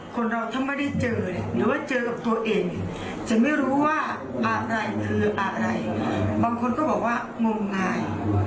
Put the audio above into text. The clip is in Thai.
คนเราถ้าไม่ได้เจอหรือว่าเจอกับตัวเองจะไม่รู้ว่าอะไรคืออะไรบางคนก็บอกว่างมงาย